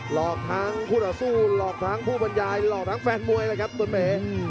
หลอกทางผู้ต่อสู้หลอกทางผู้บรรยายหลอกทางแฟนมวยอะไรครับตนเพ